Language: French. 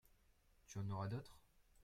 Tu en auras d’autres ?